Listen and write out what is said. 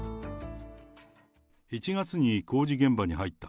１月に工事現場に入った。